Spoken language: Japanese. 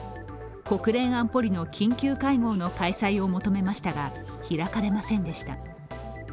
国連安保理の緊急会合の開催を求めましたが、開かれませんでした。